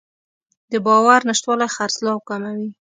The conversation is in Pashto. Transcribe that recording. د باور نشتوالی خرڅلاو کموي.